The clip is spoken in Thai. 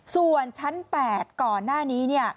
ส่วนชั้น๘ก่อนหน้านี้